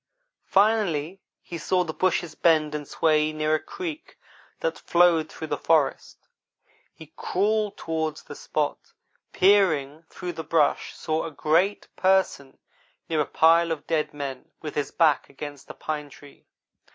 Finally he saw the bushes bend and sway near a creek that flowed through the forest. He crawled toward the spot, and peering through the brush saw a great Person near a pile of dead men, with his back against a pine tree.